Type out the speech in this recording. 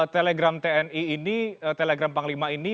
telegram tni ini telegram panglima ini